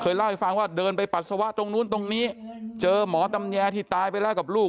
เล่าให้ฟังว่าเดินไปปัสสาวะตรงนู้นตรงนี้เจอหมอตำแยที่ตายไปแล้วกับลูก